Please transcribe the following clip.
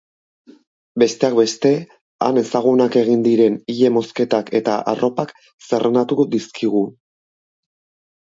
Besteak beste, han ezagunak egin diren ile-mozketak eta arropak zerrendatu dizkigu.